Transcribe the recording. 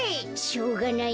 しょうがないなあ。